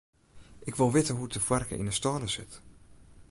Ik wol witte hoe't de foarke yn 'e stâle sit.